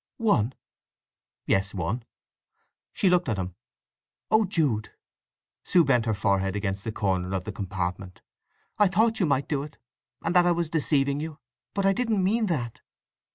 "One?" "Yes—one." She looked at him. "Oh Jude!" Sue bent her forehead against the corner of the compartment. "I thought you might do it; and that I was deceiving you. But I didn't mean that!"